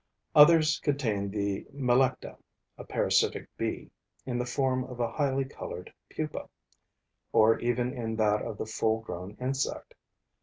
Others contain the Melecta [a parasitic bee] in the form of a highly colored pupa, or even in that of the full grown insect.